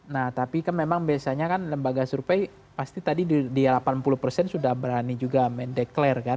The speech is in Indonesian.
nah tapi kan memang biasanya kan lembaga survei pasti tadi di delapan puluh persen sudah berani juga mendeklarasi kan